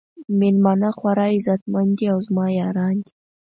میلمانه خورا عزت مند دي او زما یاران دي.